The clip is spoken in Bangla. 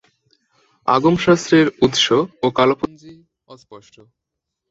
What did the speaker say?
আগম শাস্ত্রের উৎস ও কালপঞ্জি অস্পষ্ট।